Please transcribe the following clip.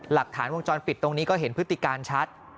หลักฐานวงจรปิดตรงนี้ก็เห็นพฤติการชัด